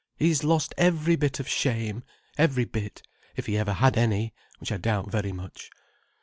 He's lost every bit of shame—every bit—if he ever had any—which I doubt very much.